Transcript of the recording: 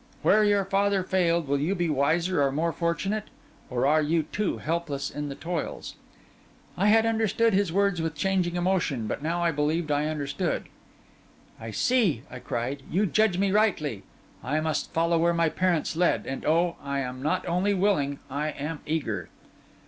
Where your father failed, will you be wiser or more fortunate? or are you, too, helpless in the toils?' I had followed his words with changing emotion, but now I believed I understood. 'I see,' I cried; 'you judge me rightly. I must follow where my parents led; and oh! I am not only willing, I am eager!